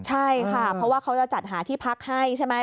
ใช่ค่ะเพราะว่าเขาจะจัดหาที่พักให้ใช่ไหม